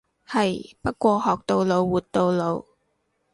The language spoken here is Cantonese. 係，不過學到老活到老。